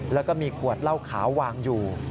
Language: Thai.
แล้วก็มีขวดเหล้าขาววางอยู่